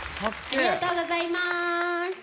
ありがとうございます。